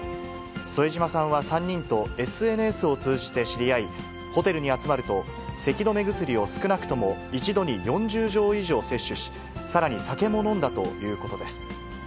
添島さんは３人とＳＮＳを通じて知り合い、ホテルに集まると、せき止め薬を少なくとも一度に４０錠以上摂取し、さらに酒も飲んだということです。